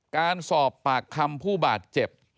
การสอบปากคำผู้บาดเจ็บ